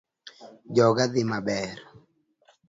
Joga dhi maber